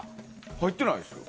入ってないですよ。